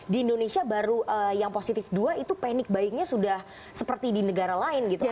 di indonesia baru yang positif dua itu panic buyingnya sudah seperti di negara lain gitu